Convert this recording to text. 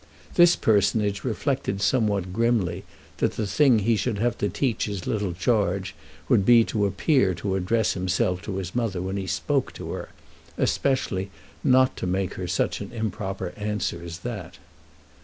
This personage reflected somewhat grimly that the thing he should have to teach his little charge would be to appear to address himself to his mother when he spoke to her—especially not to make her such an improper answer as that.